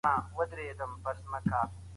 دوی د کار د زمينو د برابرولو لپاره هڅې کولې.